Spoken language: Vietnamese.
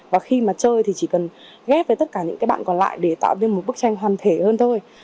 và khi mà chơi thì chỉ cần ghép với tất cả những cái bạn còn lại để tạo nên một bức tranh hoàn thể hơn thôi